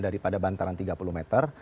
daripada bantaran tiga puluh meter